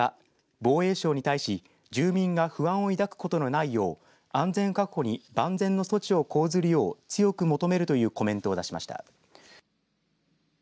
防衛省に対し住民が不安を抱くことのないよう安全確保に万全の措置を講ずるよう強く求めるというコメントを出しました。